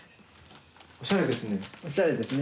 おしゃれですね。